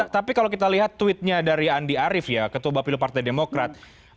tapi kalau kita lihat tweetnya dari andi arief ya ketua bapilu partai demokrat